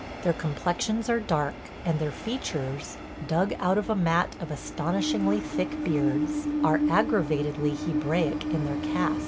Their complexions are dark and their features – dug out of a mat of astonishingly thick beards – are aggravatedly Hebraic in their cast.